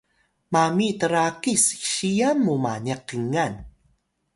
mami trakis siyan mu maniq kingan